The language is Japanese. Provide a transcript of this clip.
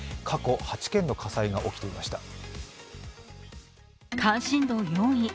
過去８件の火災が起きていました。